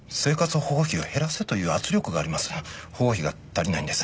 保護費が足りないんです。